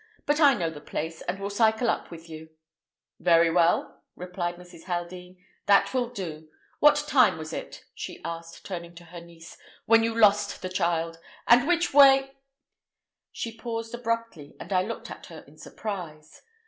But I know the place, and will cycle up with you." "Very well," replied Mrs. Haldean, "that will do. What time was it," she asked, turning to her niece, "when you lost the child? and which way—" She paused abruptly, and I looked at her in surprise.